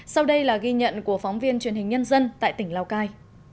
sau đây là ghi nhận của phóng viên truyền hình nhân dân tại tỉnh lào cai